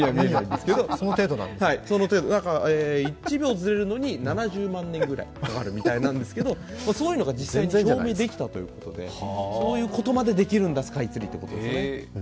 その程度ですけど、１秒ずれるのに７０万年くらいかかるみたいなんですけど、そういうのが実際に証明できたということでそういうことまでできるんだ、スカイツリー、ということですね。